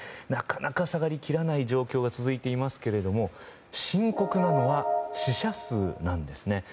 なかなか下がりきらない状況が続いていますが深刻なのは死者数なんです。